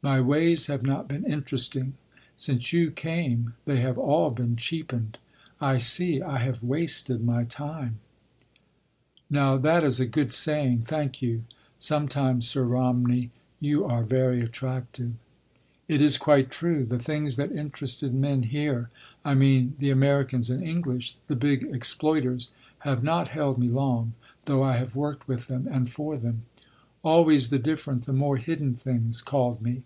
My ways have not been interesting. Since you came they have all been cheapened. I see I have wasted my time—" "Now that is a good saying. Thank you. Sometimes, Sir Romney, you are very attractive—" "It is quite true. The things that interested men here—I mean the Americans and English, the big exploiters—have not held me long, though I have worked with them and for them. Always the different, the more hidden things called me.